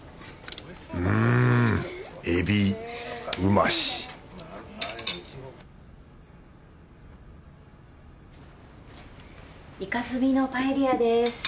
うんエビうましイカ墨のパエリアです。